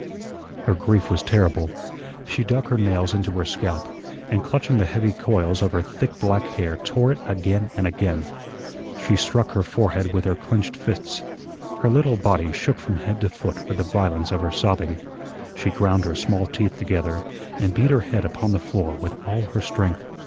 Her grief was terrible. She dug her nails into her scalp, and clutching the heavy coils of her thick black hair tore it again and again. She struck her forehead with her clenched fists. Her little body shook from head to foot with the violence of her sobbing. She ground her small teeth together and beat her head upon the floor with all her strength.